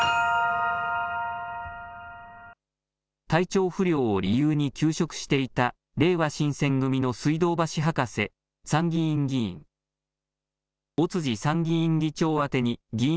体調不良を理由に休職していたれいわ新選組の水道橋博士参議院議員。